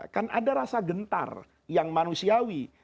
kan ada rasa gentar yang manusiawi